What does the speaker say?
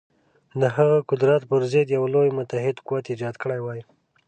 د هغه قدرت پر ضد یو لوی متحد قوت ایجاد کړی وای.